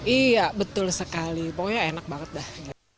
iya betul sekali pokoknya enak banget dah